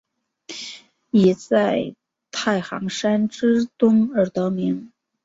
以在太行山之东而得名。